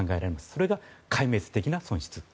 それが壊滅的な損失。